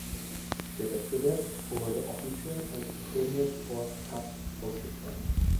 Der Wettbewerb wurde offiziell als Premier Sports Cup ausgetragen.